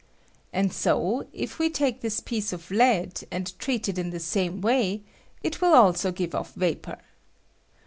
And so, if we take this piece of lead and treat it in the same way, it will also give off vapor.